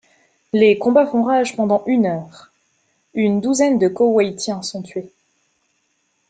Les combats font rage pendant une heure, une douzaine de Koweïtiens sont tués.